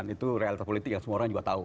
itu realitas politik yang semua orang juga tahu